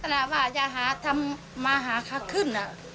แทนเราอาจจะทำข้ามหาค่าขึ้น